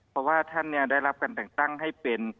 เพราะว่าท่านเนี่ยได้รับการตังให้เป็น